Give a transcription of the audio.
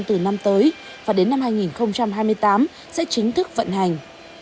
từ năm tới và đến năm hai nghìn hai mươi tám sẽ chính thức vận hành